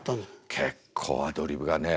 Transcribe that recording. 結構アドリブがね。